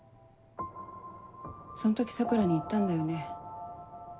そん時桜に言ったんだよね。